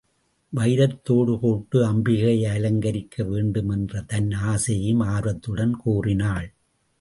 வைரத் தோடு போட்டு அம்பிகையை அலங்கரிக்க வேண்டும் என்ற தன் ஆசையையும் ஆர்வத்துடன் கூறினாள்.